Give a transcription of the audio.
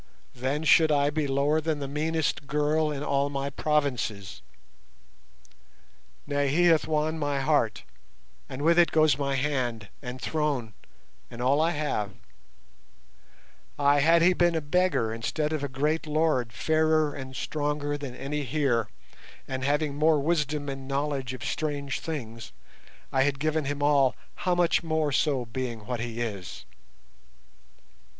Then should I be lower than the meanest girl in all my provinces. Nay, he hath won my heart, and with it goes my hand, and throne, and all I have—ay, had he been a beggar instead of a great lord fairer and stronger than any here, and having more wisdom and knowledge of strange things, I had given him all, how much more so being what he is!"